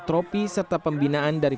tropi serta pembinaan dari